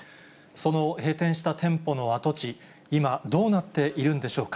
その閉店した店舗の跡地、今、どうなっているんでしょうか。